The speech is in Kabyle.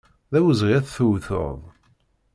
D awezɣi ad t-tewteḍ.